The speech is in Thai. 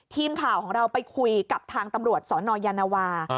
ทีมข่าวของเราไปคุยกับทางตำรวจสนยานวา